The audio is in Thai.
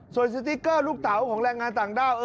ส่วนสติ๊กเกอร์ลูกเต๋าของแรงงานต่างด้าว